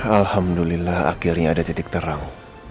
alhamdulillah akhirnya ada titik terang